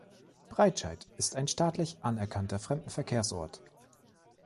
Breitscheid ist ein staatlich anerkannter Fremdenverkehrsort.